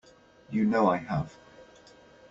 You know I have.